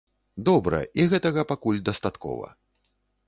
Добра, і гэтага пакуль дастаткова.